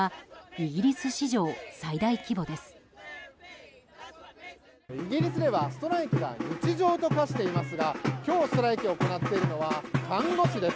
イギリスではストライキが日常と化していますが今日ストライキを行っているのは看護師です。